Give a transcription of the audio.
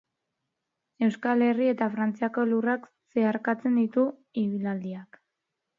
Euskal Herri eta Frantziako lurrak zeharkatzen ditu ibilaldiak.